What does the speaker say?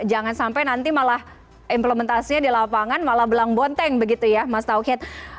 jangan sampai nanti malah implementasinya di lapangan malah belang bonteng begitu ya mas tauhid